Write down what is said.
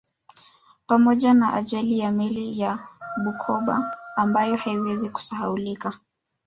Pamoja na ajali ya meli ya Bukoba ambayo haiwezi kusahaulika